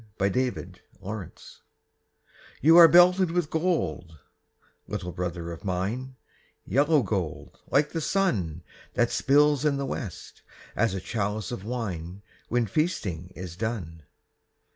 THE HOMING BEE You are belted with gold, little brother of mine, Yellow gold, like the sun That spills in the west, as a chalice of wine When feasting is done.